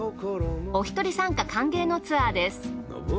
おひとり参加歓迎のツアーです。